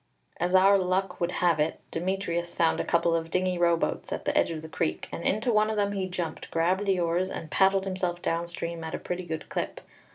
As our ill luck would have it, Demetrius found a couple of dingy rowboats at the edge of the creek, and into one of them he jumped, grabbed the oars, and paddled himself down stream at a pretty good clip.